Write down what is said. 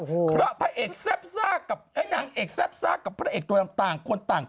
เพราะพระเอกแซ่บซ่ากับนางเอกแซ่บซ่ากับพระเอกตัวต่างคนต่าง